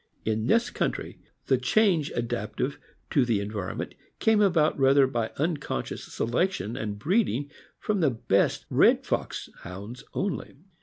In this country, the change adaptive to the environment came about rather by uncon scious selection, and breeding from the best red fox Hounds only.